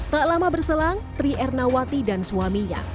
tak lama berselang tri ernawati dan suaminya